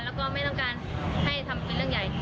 แล้วก็ไม่ต้องการให้รู้เองใหญ่